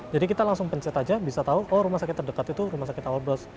jadi kita langsung pencet aja bisa tahu oh rumah sakit terdekat itu rumah sakit awal bros